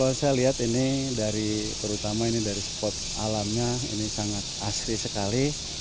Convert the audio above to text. kalau saya lihat ini dari terutama ini dari spot alamnya ini sangat asli sekali